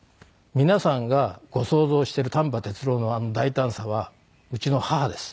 皆さんがご想像している丹波哲郎のあの大胆さはうちの母です。